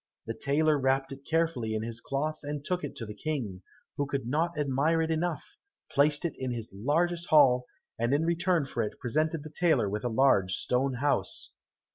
The tailor wrapped it carefully in his cloth and took it to the King, who could not admire it enough, placed it in his largest hall, and in return for it presented the tailor with a large stone house.